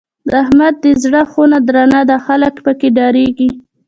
د احمد دی زړه خونه درنه ده؛ خلګ په کې ډارېږي.